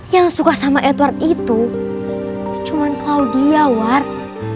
yang suka sama edward itu cuma claudia war